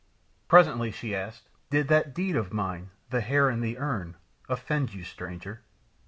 Presently she asked, "Did that deed of mine, the hair in the urn, offend you, stranger?"